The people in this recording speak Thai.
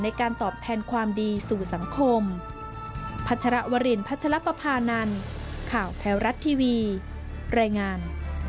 ในการตอบแทนความดีสู่สังคม